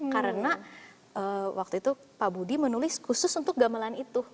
karena waktu itu pak budi menulis khusus untuk gamelan itu